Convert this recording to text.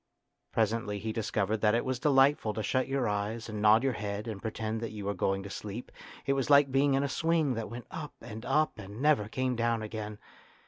Presently he dis covered that it was delightful to shut your eyes and nod your head and pretend that you were going to sleep ; it was like being in a swing that went up and up and never came down again.